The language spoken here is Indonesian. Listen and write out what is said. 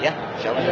ya insya allah